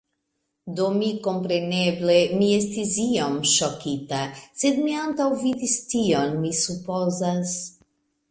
Do mi, kompreneble, mi estis iom ŝokita, sed mi antaŭvidis tion, mi supozas.